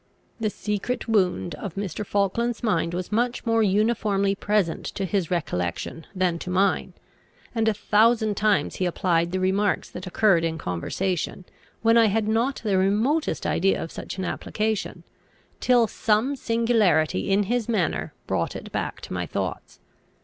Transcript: The secret wound of Mr. Falkland's mind was much more uniformly present to his recollection than to mine; and a thousand times he applied the remarks that occurred in conversation; when I had not the remotest idea of such an application, till some singularity in his manner brought it back to my thoughts.